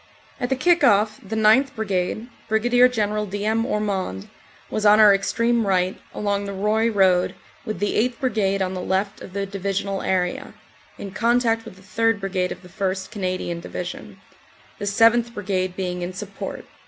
At the kick off the 9th. Brigade, Brig. General D. M. Ormond, was on our extreme right, along the Roye road, with the 8th. Brigade on the left of the Divisional area (in contact with the 3rd. Brigade of the 1st. Canadian Division), the 7th. Brigade being in support.